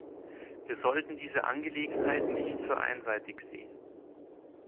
Wir sollten diese Angelegenheit nicht zu einseitig sehen.